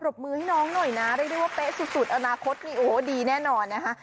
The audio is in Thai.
บมือให้น้องหน่อยนะเรียกได้ว่าเป๊ะสุดอนาคตนี่โอ้โหดีแน่นอนนะคะ